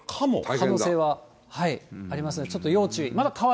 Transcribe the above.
可能性はありますので、ちょっと要注意。